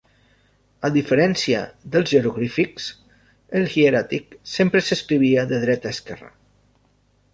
A diferència dels jeroglífics, el hieràtic sempre s'escrivia de dreta a esquerra.